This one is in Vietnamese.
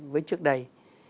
với trước đây